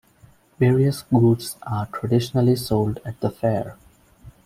Various goods are traditionally sold at the fair.